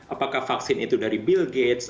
apakah vaksin itu dari bill gates